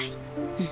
うん。